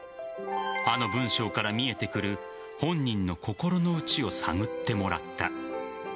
あの文章から見えてくる本人の心の内を探ってもらった。